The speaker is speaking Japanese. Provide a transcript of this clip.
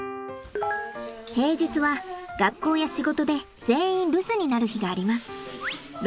平日は学校や仕事で全員留守になる日があります。